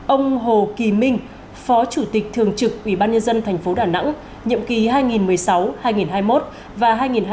ông hồ kỳ minh phó chủ tịch thường trực ủy ban nhân dân tp đà nẵng nhiệm kỳ hai nghìn một mươi sáu hai nghìn hai mươi một và hai nghìn hai mươi hai nghìn hai mươi năm